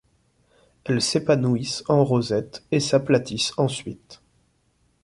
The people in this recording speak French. Elles s'épanouissent en rosette et s'aplatissent ensuite.